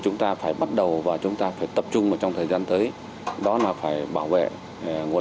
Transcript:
chúng ta phải bắt đầu và chúng ta phải tập trung vào trong thời gian tới đó là phải bảo vệ nguồn